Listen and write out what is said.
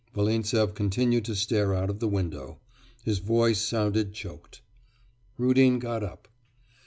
Volintsev continued to stare out of the window. His voice sounded choked. Rudin got up.